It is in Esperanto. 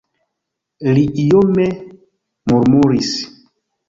Li iome murmuris.